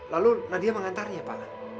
lalu nadia mengantarnya pak